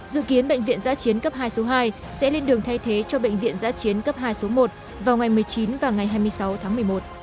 dự kiến bệnh viện giã chiến cấp hai số hai sẽ lên đường thay thế cho bệnh viện giã chiến cấp hai số một vào ngày một mươi chín và ngày hai mươi sáu tháng một mươi một